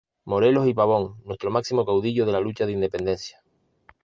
Morelos y Pavón, nuestro máximo caudillo de la lucha de Independencia.